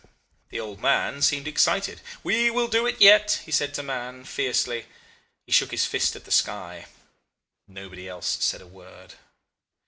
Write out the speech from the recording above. The old man seemed excited. 'We will do it yet,' he said to Mahon, fiercely. He shook his fist at the sky. Nobody else said a word.